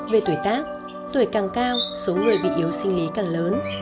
về tuổi tác tuổi càng cao số người bị yếu sinh lý càng lớn